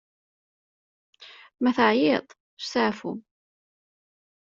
Ma teεyiḍ, steεfu!